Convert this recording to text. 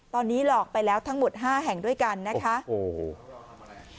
ตอนนี้หลอกไปแล้วทั้งหมดห้าแห่งด้วยกันนะคะโอ้โห